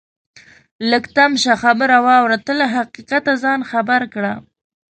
لږ تم شه خبره واوره ته له حقیقته ځان خبر کړه